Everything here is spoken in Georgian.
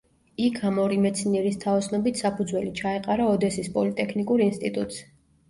იქ ამ ორი მეცნიერის თაოსნობით საფუძველი ჩაეყარა ოდესის პოლიტექნიკურ ინსტიტუტს.